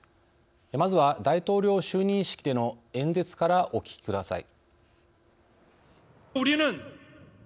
まずは大統領就任式での演説からお聞きください。